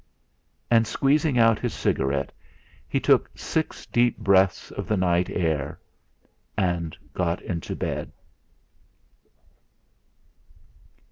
And, squeezing out his cigarette, he took six deep breaths of the night air, and got into bed.